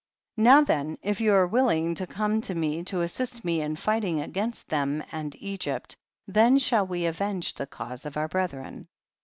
13. Now then if you are willing to come to me to assist me in fight ing against them and Egypt, then shall we avenge the cause of our brethren.